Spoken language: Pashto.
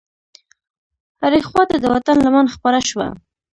هرې خواته د وطن لمن خپره شوه.